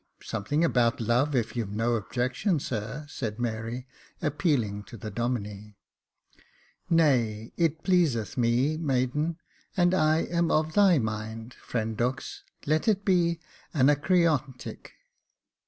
something about love, if you've no objection, sir," said Mary, appealing to the Domine. " Nay, it pleaseth me, maiden, and I am of thy mind. Friend Dux, let it be Anacreontic."